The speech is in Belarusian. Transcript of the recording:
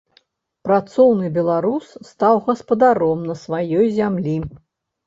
Працоўны беларус стаў гаспадаром на сваёй зямлі.